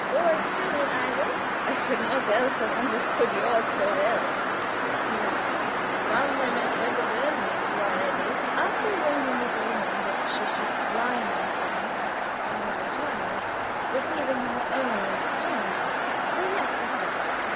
"Or children either?" "I should not else have understood yours so well," he laughed. "Come, my Miss Wedderburn, if you are ready." After arranging with the woman that she should dry my things and return them, receiving her own in exchange, we left the house.